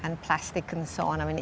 dan plastik dan sebagainya